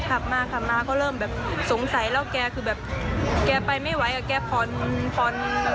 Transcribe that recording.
ขับมาขับมาเขาเริ่มแบบสงสัยแล้วแกคือแบบแกไปไม่ไหวอ่ะแกผ่อนผ่อน